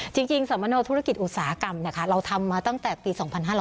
จริงสำโนธุรกิจอุตสาหกรรมเราทำมาตั้งแต่ปี๒๕๐๗